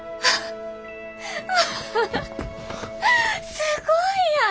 すごいやん！